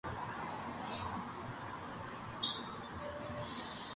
Los equipos de desarrollo han creado un Android no oficial.